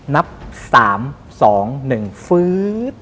นับ๓๒๑ฟื๊ด